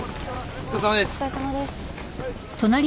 お疲れさまです。